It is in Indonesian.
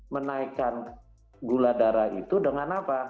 menaikkan gula darah itu dengan apa